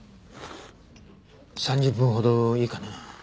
３０分ほどいいかな？